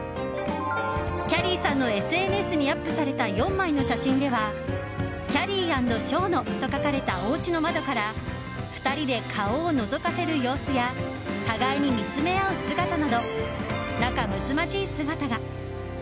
きゃりーさんのＳＮＳにアップされた４枚の写真では「ＫＹＡＲＹ＆ＳＨＯＮＯ」と書かれたおうちの窓から２人で顔をのぞかせる様子や互いに見つめ合う姿など仲むつまじい姿が。